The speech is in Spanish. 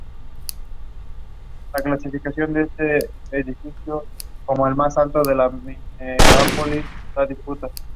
Una vez escrita en esta forma los cuantificadores universales no se escriben.